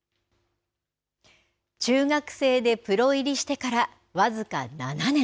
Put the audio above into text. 中学生でプロ入りしてから僅か７年。